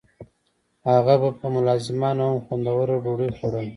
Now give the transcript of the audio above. هغه به په ملازمانو هم خوندوره ډوډۍ خوړوله.